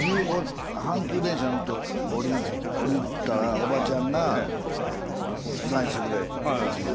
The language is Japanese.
阪急電車に乗って降りたらおばちゃんが「サインしてくれ」って言う。